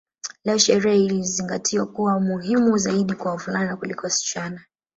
Leo sherehe hii inazingatiwa kuwa na umuhimu zaidi kwa wavulana kuliko wasichana